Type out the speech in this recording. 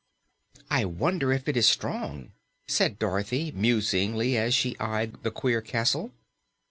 "I wonder if it is strong?" said Dorothy musingly as she eyed the queer castle.